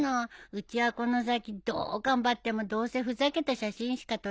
うちはこの先どう頑張ってもどうせふざけた写真しか撮れないだろうから。